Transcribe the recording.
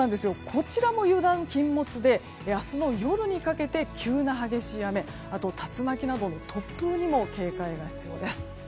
こちらも油断禁物で明日の夜にかけて急な激しい雨、竜巻などの突風にも警戒が必要です。